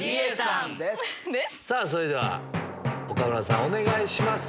それでは岡村さんお願いします。